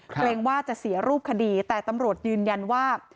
เกรงว่าจะเสียรูปคดีแต่ตำรวจยืนยันว่า